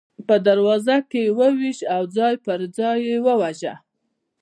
په دروازه کې یې وویشت او ځای پر ځای یې وواژه.